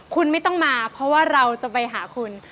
คุณไม่ต้องมาเพราะว่าเราจะไปหาคุณ